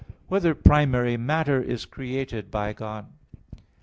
2] Whether Primary Matter Is Created by God?